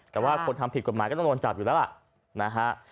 แต่ว่าคนทำผิดกฎหมายก็ต้องโดนจับอยู่แล้วล่ะนะฮะ